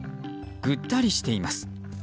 ぐったりしています。